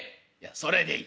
「それでいい」。